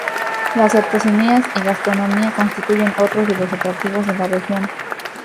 Las artesanías y la gastronomía constituyen otros de los atractivos de la región.